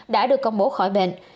đã được công bố khỏi